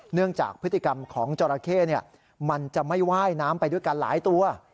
เนื่องจากพฤติกรรมของจราเข้มันจะไม่ว่ายน้ำไปด้วยกันหลายตัว